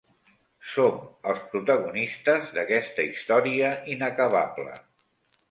Som els protagonistes d'aquesta història inacabable.